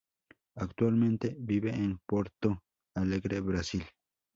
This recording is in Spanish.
Actualmente vive en Porto Alegre, Brasil.